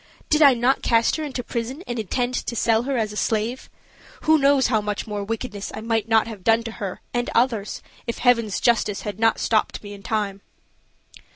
Did I not cast her into prison, and intend to sell her as a slave? Who knows how much more wickedness I might not have done to her and others, if Heaven's justice had not stopped me in time?"